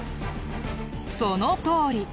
そのとおり。